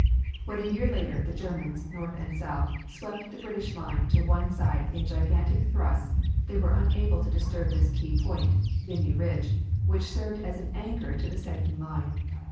When a year later, the Germans, north and south, swept the British line to one side in gigantic thrusts they were unable to disturb this key point, Vimy Ridge, which served as an anchor to the sagging line.